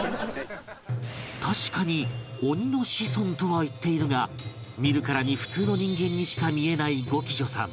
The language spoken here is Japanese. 確かに鬼の子孫とは言っているが見るからに普通の人間にしか見えない五鬼助さん